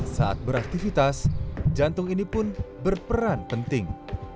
saat beraktivitas jantung ini pun berperan penting